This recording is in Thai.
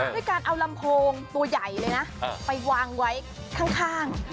ด้วยการเอาลำโพงตัวใหญ่เลยนะไปวางไว้ข้าง